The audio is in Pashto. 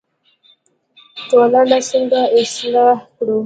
ټولنه څنګه اصلاح کړو؟